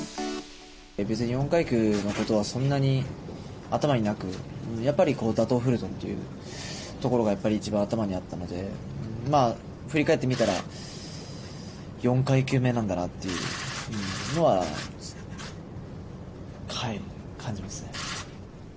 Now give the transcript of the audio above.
別に４階級のことはそんなに頭になく、やっぱり打倒フルトンというところが、やっぱり一番頭にあったので、振り返ってみたら、４階級目なんだなっていうのは、はい、感じますね。